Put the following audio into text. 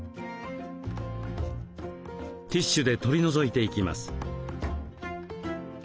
ティッシュで取り除いていきます。